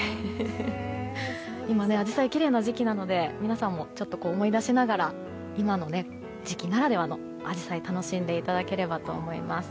今、アジサイがきれいな時期なので皆さんもちょっと思い出しながら今の時期ならではのアジサイを楽しんでいただければと思います。